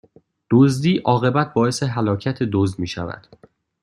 دزدی، عاقبت باعث هلاکت دزد میشود